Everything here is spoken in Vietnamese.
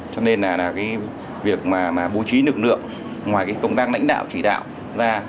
cho nên việc bố trí lực lượng ngoài công tác lãnh đạo chỉ đạo ra